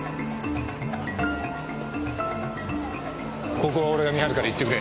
ここは俺が見張るから行ってくれ。